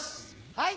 はい。